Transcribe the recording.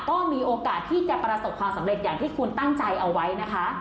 ก็มีโอกาสที่จะประสบความสำเร็จอย่างที่คุณตั้งใจเอาไว้นะคะ